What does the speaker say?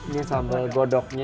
ini sambal godoknya